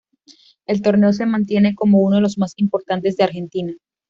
El torneo se mantiene como uno de los más importantes de Argentina.